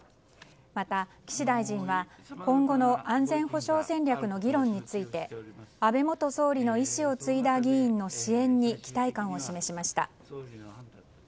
また岸大臣は今後の安全保障戦略の議論について安倍元総理の遺志を継いだ議員の支援に期待感を示しました。